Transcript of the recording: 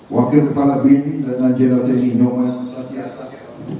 wakil kepala bin dan jelat tni nyoman satya sajak